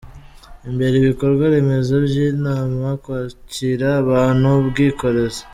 imbere ibikorwa remezo by’inama, kwakira abantu, ubwikorezi